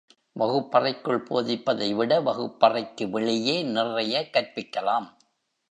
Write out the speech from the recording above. வகுப்பறைக்குள் போதிப்பதைவிட வகுப்பறைக்கு வெளியே நிறைய கற்பிக்கலாம்.